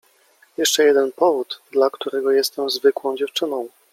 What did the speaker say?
Jeszcze jeden powód, dla którego jestem zwykłą dziewczyną.